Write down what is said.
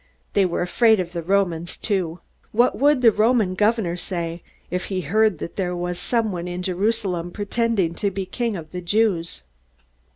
They were afraid of the Romans too. What would the Roman governor say if he heard that there was someone in Jerusalem pretending to be King of the Jews?